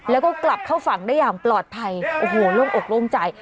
แล้วก็กลับเข้าฝั่งได้อย่างปลอดภัยโอ้โหโล่งอกโล่งใจ